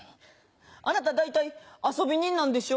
あなた大体遊び人なんでしょ。